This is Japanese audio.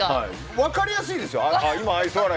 分かりやすいですよ